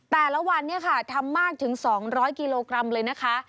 แต่ละวันเนี่ยค่ะทำมากถึง๒๐๐กิโลกรัมเลยนะคะ